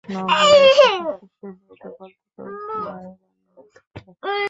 নো-বলের পাশাপাশি বৈধ বল থেকেও বাই রান হতে পারে।